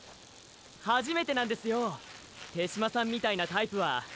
初めてなんですよ手嶋さんみたいなタイプは。